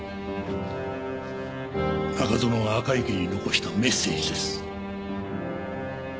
中園が赤池に残したメッセージです。